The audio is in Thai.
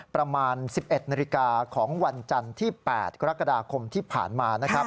ประมาณ๑๑นาฬิกาของวันจันทร์ที่๘กรกฎาคมที่ผ่านมานะครับ